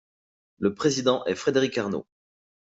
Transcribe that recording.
Le président est Frédéric Arnaud.